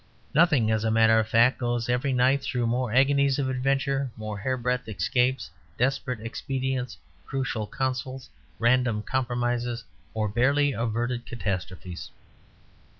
Nothing, as a matter of fact, goes every night through more agonies of adventure, more hairbreadth escapes, desperate expedients, crucial councils, random compromises, or barely averted catastrophes.